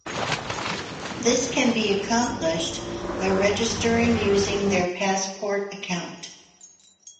This can be accomplished by registering using their Passport account.